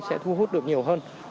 sẽ thu hút được nhiều hơn